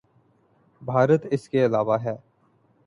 بھارت اس کے علاوہ ہے۔